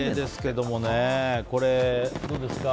どうですか？